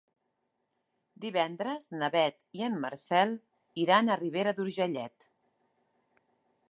Divendres na Beth i en Marcel iran a Ribera d'Urgellet.